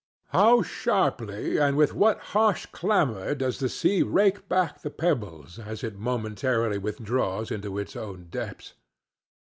How sharply and with what harsh clamor does the sea rake back the pebbles as it momentarily withdraws into its own depths!